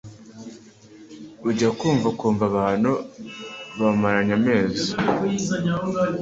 ujya kumva ukumva abantu bamaranye amezi